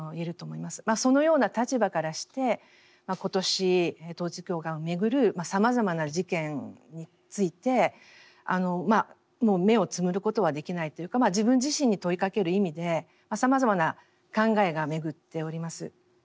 そのような立場からして今年統一教会をめぐるさまざまな事件についてもう目をつむることはできないというか自分自身に問いかける意味でさまざまな考えが巡っております。